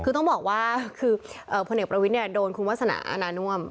คือต้องบอกว่าพลเนกประวิทย์โดนคุณวัฒนานว่าง